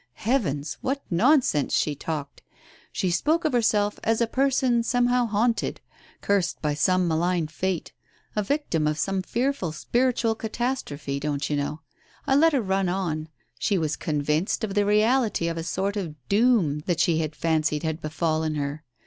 Heavens ! what nonsense she talked I She spoke of her self as a person somehow haunted, cursed by some malign fate, a victim of some fearful spiritual catastrophe, don't you know ? I let her run on. She was convinced of the reality pf a sort of ' doom ' that she had fancied had befallen her.